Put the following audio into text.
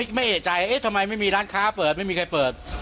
ใจไม่เป็นอยอกทำไมทำไมไม่มีร้านข้าข้าเปิดไม่มีใครเปิด